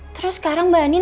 terus sekarang mbak andin